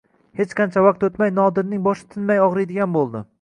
Hech qancha vaqt o`tmay Nodirning boshi tinmay og`riydigan bo`ldi